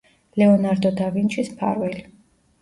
ლეონარდო და ვინჩის მფარველი.